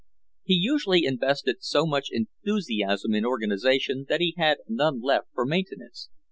He usually invested so much enthusiasm in organization that he had none left for maintenance.